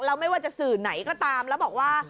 แล้วไม่ว่าจะสื่อไหนก็ตามแล้วบอกว่า